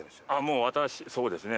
もう私そうですね